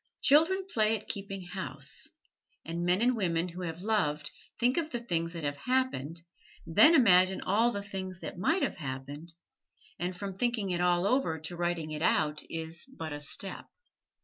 Children play at keeping house: and men and women who have loved think of the things that have happened, then imagine all the things that might have happened, and from thinking it all over to writing it out is but a step.